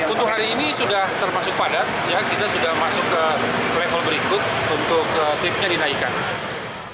untuk hari ini sudah termasuk padat kita sudah masuk ke level berikut untuk tipnya dinaikkan